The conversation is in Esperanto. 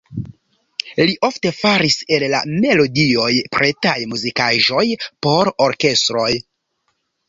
Li ofte faris el la melodioj pretaj muzikaĵoj por orkestroj.